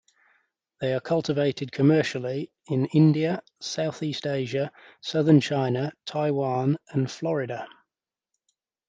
They are cultivated commercially in India, Southeast Asia, southern China, Taiwan, and Florida.